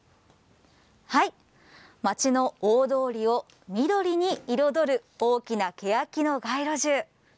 町の大通りを緑に彩る大きなケヤキの街路樹。